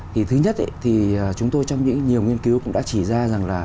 thì thứ nhất thì chúng tôi trong những nhiều nghiên cứu cũng đã chỉ ra rằng là